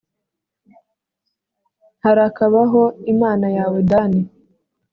harakabaho imana yawe, dani